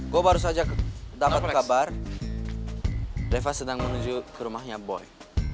gue baru saja dapat kabar deva sedang menuju ke rumahnya boy